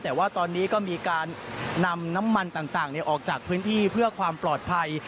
แต่ว่าตอนนี้ก็มีการนำน้ำมันต่างออกจากพื้นที่เพื่อความปลอดภัย